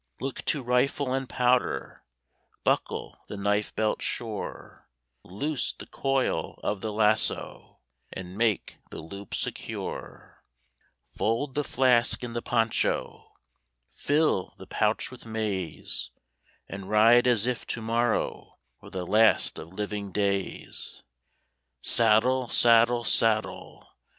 Look to rifle and powder, Buckle the knife belt sure; Loose the coil of the lasso, And make the loop secure; Fold the flask in the poncho, Fill the pouch with maize, And ride as if to morrow Were the last of living days. Saddle! saddle! saddle!